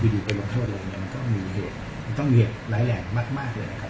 ดูไปลงโทษเลยต้องเหลือเหตุหลายแหล่งมากเหลือไหน